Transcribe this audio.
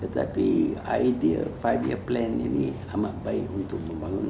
tapi idea five year plan ini amat baik untuk membangun